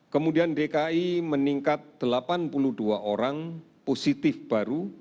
kemudian dki meningkat delapan puluh dua orang positif baru